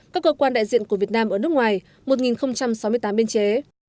các cơ quan đại diện của việt nam ở nước ngoài một sáu mươi tám biên chế